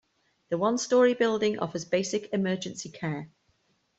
The one-storey building offers basic emergency care.